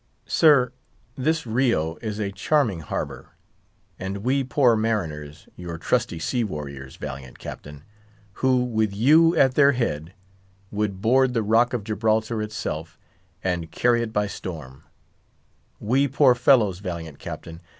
"Sir, this Rio is a charming harbour, and we poor mariners—your trusty sea warriors, valiant Captain! who, with you at their head, would board the Rock of Gibraltar itself, and carry it by storm—we poor fellows, valiant Captain!